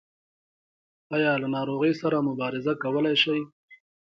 ایا له ناروغۍ سره مبارزه کولی شئ؟